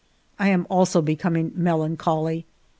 I am also becoming melancholy.